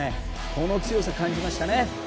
この強さを感じましたね。